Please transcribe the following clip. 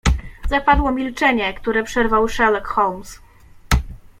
"Zapadło milczenie, które przerwał Sherlock Holmes."